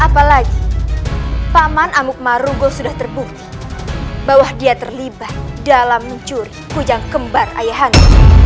apalagi paman amuk marugo sudah terbukti bahwa dia terlibat dalam mencuri kujang kembar ayahan